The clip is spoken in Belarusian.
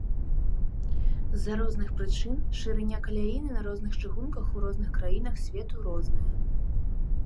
З-за розных прычын шырыня каляіны на розных чыгунках у розных краінах свету розная.